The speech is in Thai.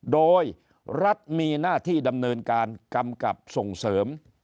โดยรัฐมีหน้าที่ดำเนินการกำกับส่งเสริม